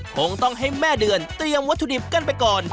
คงต้องให้แม่เดือนเตรียมวัตถุดิบกันไปก่อน